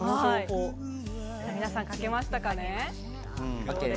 皆さん、かけましたかね。